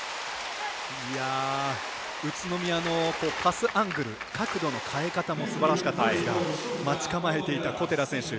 宇都宮のパスアングル角度の変え方もすばらしかったんですが待ち構えていた小寺選手